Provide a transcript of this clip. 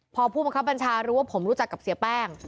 พอผู้บังคับบัญชารู้ว่าผมรู้จักกับเสียแป้ง